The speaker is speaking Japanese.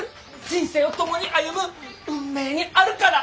人生を共に歩む運命にあるから。